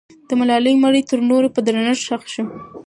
د ملالۍ مړی تر نورو په درنښت ښخ سو.